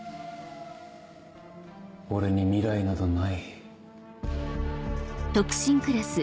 俺に未来などない。